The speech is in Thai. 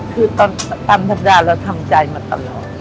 คือตามสัปดาห์เราทำใจมาตลอด